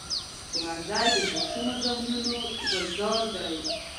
ښوونځی د ماشومو ذهنونو ګلزار دی